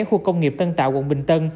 khu công nghiệp tân tạo quận bình tân